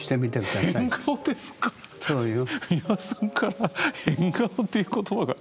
美輪さんから変顔っていう言葉が。